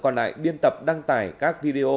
còn lại biên tập đăng tải các video